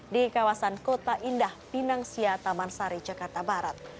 di kawasan kota indah pinang sia taman sari jakarta barat